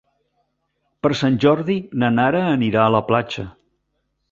Per Sant Jordi na Nara anirà a la platja.